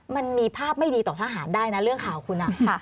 มันมีภาพไม่ดีต่อทหารได้นะเรื่องข่าวคุณ